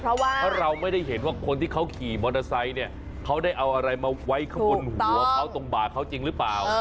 เพราะเราไม่ได้เห็นว่าคนที่เขาขี่มอเตอร์ไซค์เนี่ยเขาได้เอาอะไรมาไว้ข้างบนหัวเขาตรงบ่าเขาจริงหรือเปล่า